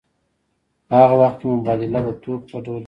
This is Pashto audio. په هغه وخت کې مبادله د توکو په ډول کېدله